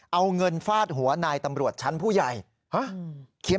เอาเงินฟาดหัวนายตำรวจชั้นผู้ใหญ่